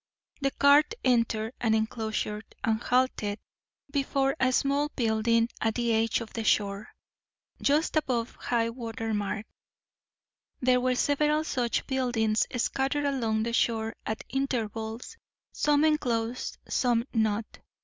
The cart entered an enclosure, and halted before a small building at the edge of the shore, just above high water mark. There were several such buildings scattered along the shore at intervals, some enclosed, some not.